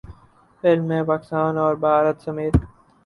film نے پاکستان اور بھارت سمیت